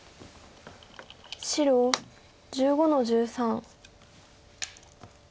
白１５の十三。